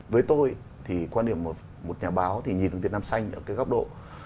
với tôi thì quan điểm một nhà báo thì nhìn được việt nam xanh ở cái góc độ